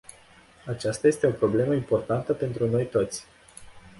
Aceasta este o problemă importantă pentru noi toți.